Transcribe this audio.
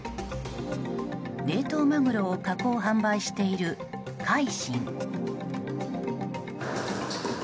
冷凍マグロを加工・販売している海伸。